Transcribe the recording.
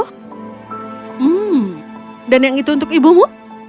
hmm dan yang itu untuk ibumu